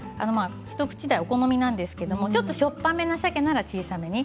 お好みなんですけれどちょっとしょっぱめのさけなら小さめに。